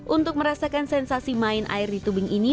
untuk merasakan sensasi main air di tubing ini